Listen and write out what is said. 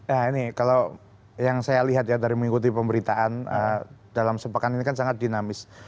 ya ini kalau yang saya lihat ya dari mengikuti pemberitaan dalam sepekan ini kan sangat dinamis